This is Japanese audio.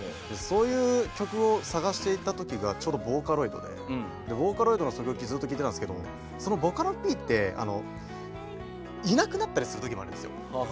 そういう曲を探していたときがちょうどボーカロイドでボーカロイドの曲をずっと聴いてたんですけどボカロＰっていなくなったりするときもあるんですよ。